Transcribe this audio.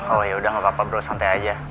oh yaudah gak apa apa bro santai aja